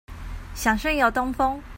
想順遊東峰